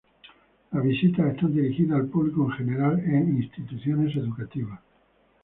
Las visitas están dirigidas al público en general e instituciones educativas.